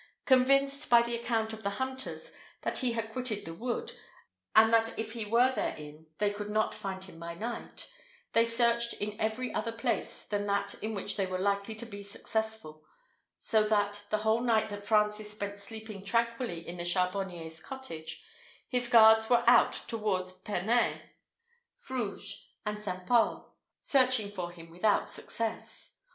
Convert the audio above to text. Convinced, by the account of the hunters, that he had quitted the wood, and that if he were therein they could not find him by night, they searched in every other place than that in which they were likely to be successful; so that, the whole night that Francis spent sleeping tranquilly in the charbonier's cottage, his guards were out towards Pernès, Fruges, and St. Pol, searching for him without success.